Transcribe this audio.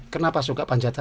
kenapa suka panjatan